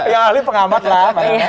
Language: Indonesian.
ya ahli pengamat lah